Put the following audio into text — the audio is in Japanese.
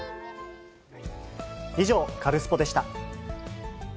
以上、カルスポっ！でした。